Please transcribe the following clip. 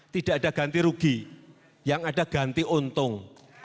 tidak ada ganti rugi yang ada ganti untung